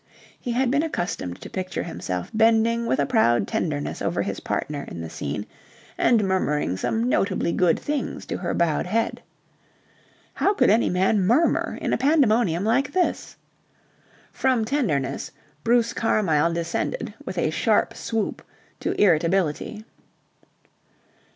He had been accustomed to picture himself bending with a proud tenderness over his partner in the scene and murmuring some notably good things to her bowed head. How could any man murmur in a pandemonium like this. From tenderness Bruce Carmyle descended with a sharp swoop to irritability.